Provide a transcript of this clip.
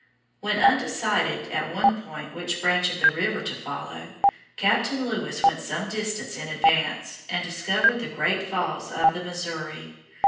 When undecided at one point which branch of the river to follow, Captain Lewis went some distance in advance and discovered the Great Falls of the Missouri.